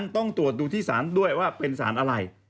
ต้องตรวจดูที่ศาลด้วยว่าเป็นสารอะไร